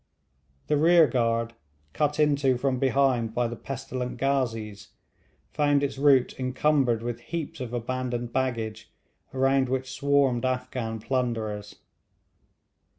The rear guard, cut into from behind by the pestilent ghazees, found its route encumbered with heaps of abandoned baggage around which swarmed Afghan plunderers.